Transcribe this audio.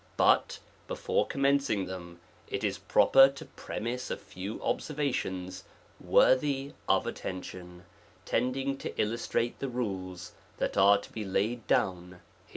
. Birr, before commencing them, it ip proper to premise a few observations worthy of attention ; tending to illustrate the rules that are to be laid down hereafter.